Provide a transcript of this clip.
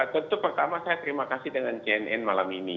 tentu pertama saya terima kasih dengan cnn malam ini